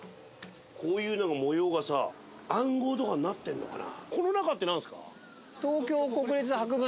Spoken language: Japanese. こういうのが模様がさ暗号とかになってんのかな。